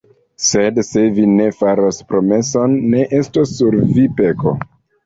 Sed se vi ne faros promeson, ne estos sur vi peko.